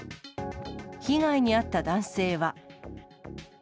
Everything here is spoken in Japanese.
被害に遭った男性は。